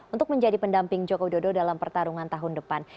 untuk menjadi pendamping joko widodo dalam pertarungan tahun depan